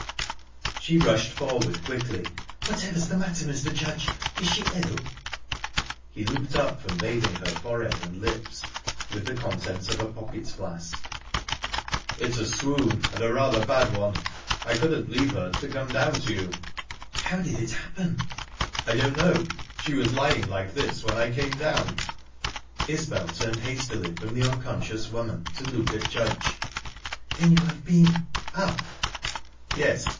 She rushed forward quickly. "Whatever's the matter, Mr. Judge? Is she ill?" He looked up from bathing her forehead and lips with the contents of a pocket flask. "It's a swoon, and rather a bad one. I couldn't leave her, to come down to you." "How did it happen?" "I don't know. She was lying like this when I came down." Isbel turned hastily from the unconscious woman to look at Judge. "Then you have been up?" "Yes.